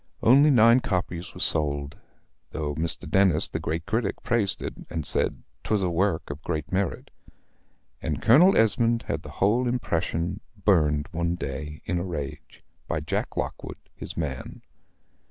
Only nine copies were sold, though Mr. Dennis, the great critic, praised it, and said 'twas a work of great merit; and Colonel Esmond had the whole impression burned one day in a rage, by Jack Lockwood, his man.